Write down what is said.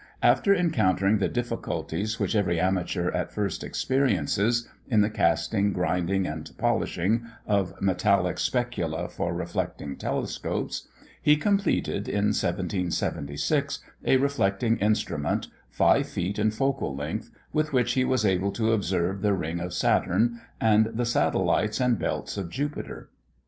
After encountering the difficulties which every amateur at first experiences, in the casting, grinding, and polishing, of metallic specula for reflecting telescopes, he completed, in 1776, a reflecting instrument, five feet in focal length, with which he was able to observe the ring of Saturn, and the satellites and belts of Jupiter.